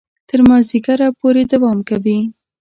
تر مازیګره پورې دوام کوي.